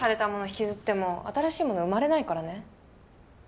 引きずっても新しいものは生まれないからね